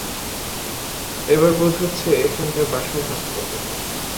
এবার বোধ হচ্ছে এখানকার বাসায় হাত পড়বে।